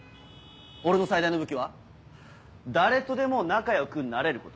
俺の最大の武器は誰とでも仲良くなれること。